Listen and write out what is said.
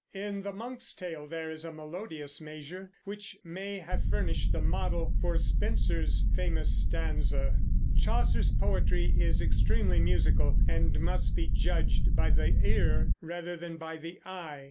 In the "Monk's Tale" there is a melodious measure which may have furnished the model for Spenser's famous stanza. Chaucer's poetry is extremely musical and must be judged by the ear rather than by the eye.